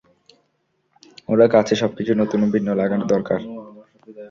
ওরা কাছে সবকিছু নতুন ও ভিন্ন লাগা দরকার।